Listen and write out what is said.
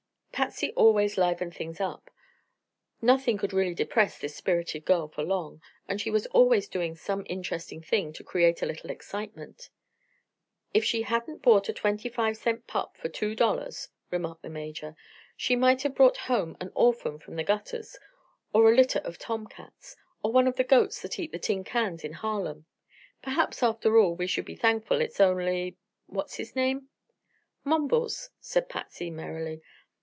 Patsy always livened things up. Nothing could really depress this spirited girl for long, and she was always doing some interesting thing to create a little excitement. "If she hadn't bought a twenty five cent pup for two dollars," remarked the Major, "she might have brought home an orphan from the gutters, or a litter of tomcats, or one of the goats that eat the tin cans at Harlem. Perhaps, after all, we should be thankful it's only what's his name?" "Mumbles," said Patsy, merrily.